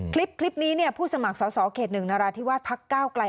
คลิปนี้ผู้สมัครสอบเขต๑นราธิวาสพัก๙กลาย